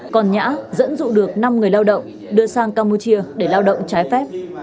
còn nhã dẫn dụ được năm người lao động đưa sang campuchia để lao động trái phép